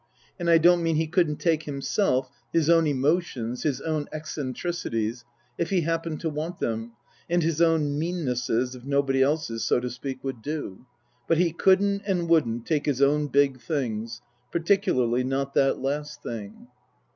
And I don't mean he couldn't take himself, his own emotions, his own eccentricities, if he happened to want them, and his own meannesses, if nobody else's, so to speak, would do. But he couldn't and wouldn't take his own big things, particularly not that last thing.